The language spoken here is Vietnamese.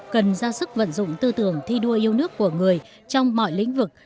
cần ra sức vận dụng tư tưởng thi đua yêu nước của người trong mọi lĩnh vực